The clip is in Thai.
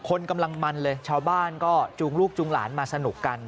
คนกำลังมันเลยชาวบ้านก็จูงลูกจูงหลานมาสนุกกัน